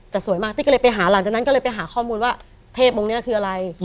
แต่สวยมากตี้ก็เลยไปหาหลังจากนั้นก็เลยไปหาข้อมูลว่าเทพองค์นี้คืออะไร